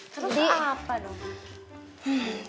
terus apa dong